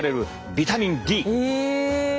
ビタミンＤ。